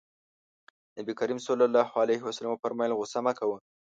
نبي کريم ص وفرمايل غوسه مه کوه.